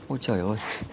ôi trời ơi